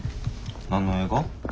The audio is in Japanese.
何の映画？